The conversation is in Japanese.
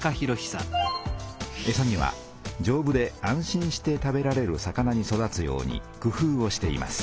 えさにはじょうぶで安心して食べられる魚に育つようにくふうをしています。